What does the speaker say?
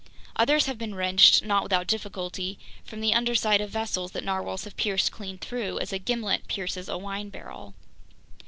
Others have been wrenched, not without difficulty, from the undersides of vessels that narwhales have pierced clean through, as a gimlet pierces a wine barrel.